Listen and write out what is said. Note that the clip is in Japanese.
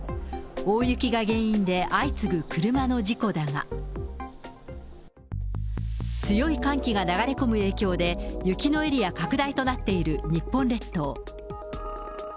大雪が原因で相次ぐ車の事故だが、強い寒気が流れ込む影響で、雪のエリア拡大となっている日本列島。